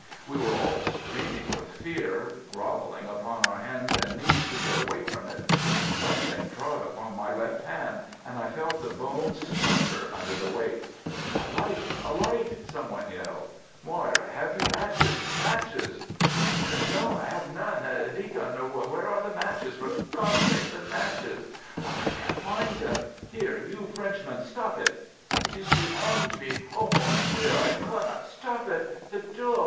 We were all screaming with fear, grovelling upon our hands and knees to get away from it. Something trod upon my left hand, and I felt the bones splinter under the weight. "A light! A light!" someone yelled. "Moir, you have matches, matches!" "No, I have none. Deacon, where are the matches? For God's sake, the matches!" "I can't find them. Here, you Frenchman, stop it!" "It is beyond me. Oh, mon Dieu, I cannot stop it. The door!